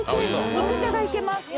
肉じゃがいけます。